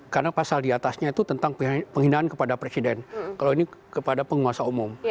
karena pasal diatasnya itu tentang penghinaan kepada presiden kalau ini kepada penguasa umum